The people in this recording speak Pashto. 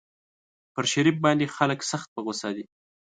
پر شريف باندې خلک سخت په غوسه دي.